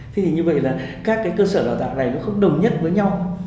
thế thì như vậy là các cơ sở đào tạo này không đồng nhất với nhau